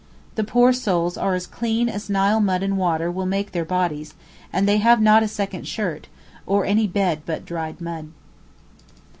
The poor souls are as clean as Nile mud and water will make their bodies, and they have not a second shirt, or any bed but dried mud.